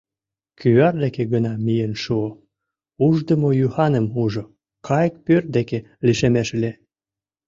Кӱвар деке гына миен шуо, Ушдымо-Юханым ужо — кайык пӧрт деке лишемеш ыле.